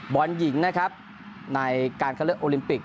บอลหญิงนะครับในการคัดเลือกโอลิมปิก